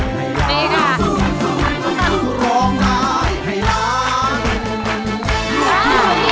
คุณอีทร้องได้ครับ